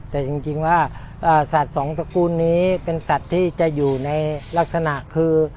แต่จริงว่าสัตว์สองตระกูลนี้เป็นสัตว์ที่จะอยู่ในลักษณะคือ